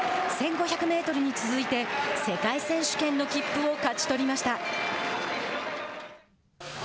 １５００メートルに続いて世界選手権の切符を勝ち取りました。